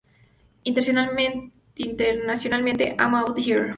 Internacionalmente "I'm Outta Here!